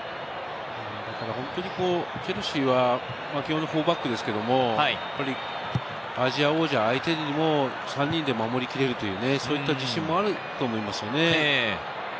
本当にチェルシーは基本４バックですけど、アジア王者相手にも３人で守り切れるというそういった自信もあると思いますね。